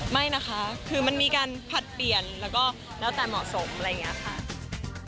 ไปนะคะคือมันมีการผลัดเปลี่ยนแล้วตาเหมาะสมอะไรอย่างงี้นะค่ะ